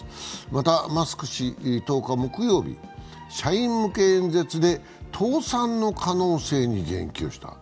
またマスク氏は１０日木曜日社員向け演説で倒産の可能性に言及した。